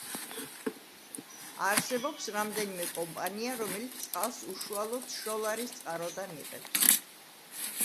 არსებობს რამდენიმე კომპანია, რომელიც წყალს უშუალოდ შოლარის წყაროდან იღებს.